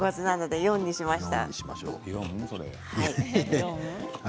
４にしました。